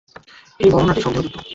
এই বর্ণনাটি সন্দেহযুক্ত।